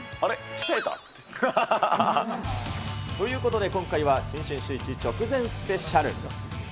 鍛えた？ということで今回は、新春シューイチ直前スペシャル。